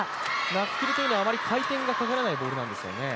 ナックルというのはあまり回転がかからないボールなんですよね。